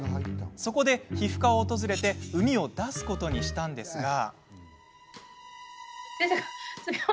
そこで皮膚科を訪れうみを出すことにしたんですが。